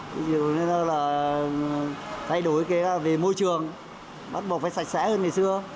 ví dụ như là thay đổi cái về môi trường bắt buộc phải sạch sẽ hơn ngày xưa